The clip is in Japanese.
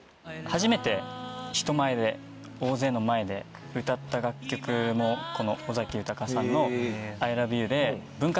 初めて人前で大勢の前で歌った楽曲もこの尾崎豊さんの『ＩＬＯＶＥＹＯＵ』で。